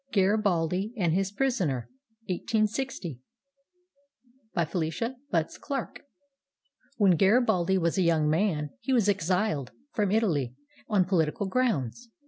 GARIBALDI AND HIS PRISONER [i860] BY FELICIA BUTTZ CLARK [When Garibaldi was a young man, he was exiled from Italy on political grounds.